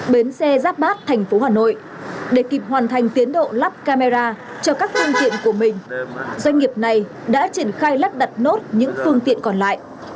bến xe giáp bát thành phố hà nội để kịp hoàn thành tiến độ lắp camera cho các phương tiện của mình doanh nghiệp này đã triển khai lắp đặt nốt những phương tiện còn lại